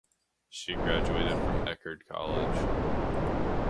She graduated from Eckerd College.